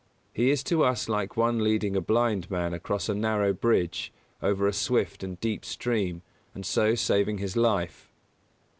He is to us like one leading a blind man across a narrow bridge over a swift and deep stream and so saving his life.